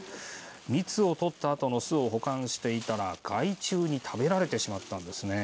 蜜をとったあとの巣を保管していたら害虫に食べられてしまったのです。